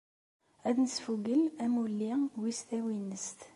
Ad nesfugel amulli wis tawinest.